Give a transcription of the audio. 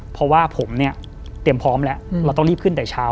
เพราะว่าผมเนี่ยเตรียมพร้อมแล้วเราต้องรีบขึ้นแต่เช้า